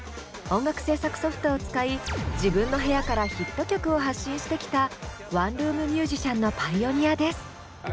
音楽制作ソフトを使い自分の部屋からヒット曲を発信してきたワンルーム☆ミュージシャンのパイオニアです。